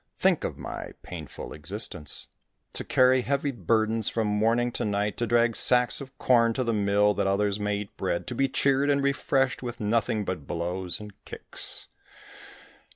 Think of my painful existence! To carry heavy burdens from morning to night, to drag sacks of corn to the mill, that others may eat bread, to be cheered and refreshed with nothing but blows and kicks.